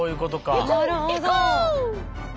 なるほど。